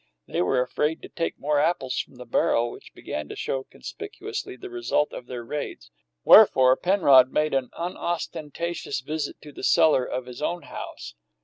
They were afraid to take more apples from the barrel, which began to show conspicuously the result of their raids, wherefore Penrod made an unostentatious visit to the cellar of his own house.